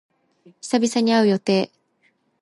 久々に会う予定。